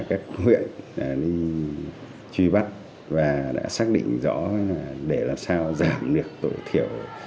các huyện đi truy bắt và đã xác định rõ để làm sao giảm được tối thiểu